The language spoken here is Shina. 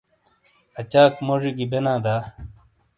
اچاک موڇی گی بینا دا؟